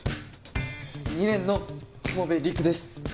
２年の友部陸です。